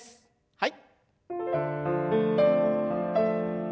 はい。